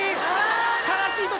悲しい時。